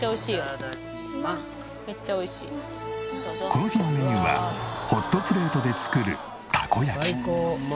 この日のメニューはホットプレートで作るたこ焼き。